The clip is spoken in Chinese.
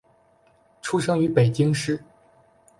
出生于北京市。